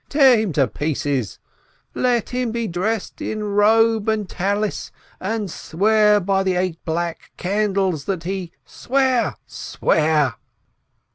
"Tear him in pieces !" "Let him be dressed in robe and prayer scarf, and swear by the eight black candles that he " "Swear! Swear!"